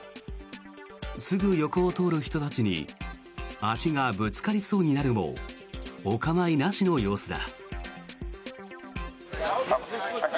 すぐ横を通る人たちに足がぶつかりそうになるもお構いなしの様子だ。